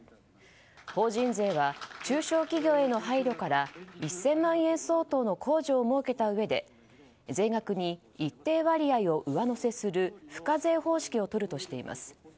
法人税は中小企業への配慮から１０００万円相当の公助を設けたうえで税額に一定割合を上乗せする方式をとるとしています。